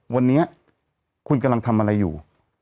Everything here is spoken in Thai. วันนี้คุณกำลังทำอะไรอยู่